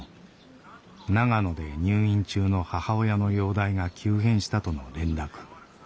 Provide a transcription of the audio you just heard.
長野で入院中の母親の容体が急変したとの連絡。